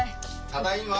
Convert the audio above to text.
ただいま。